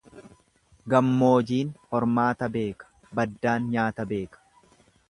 Gammoojiin hormaata beeka baddaan nyaata beeka.